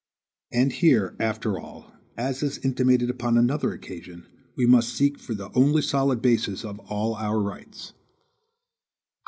(3) And here, after all, as is intimated upon another occasion, must we seek for the only solid basis of all our rights.